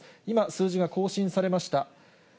今、数字が更新されました。